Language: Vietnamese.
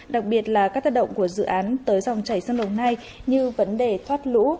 đặc biệt là các tác động của dự án tới dòng chảy sông đồng nai như vấn đề thoát lũ